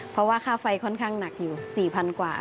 เพราะว่าค่าไฟค่อนข้างหนักอยู่๔๐๐๐กว่า